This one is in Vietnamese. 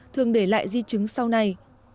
thường để lại di chứng sau này